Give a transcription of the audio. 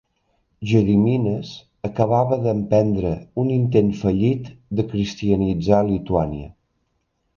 Gediminas acabava d'emprendre un intent fallit de cristianitzar Lituània.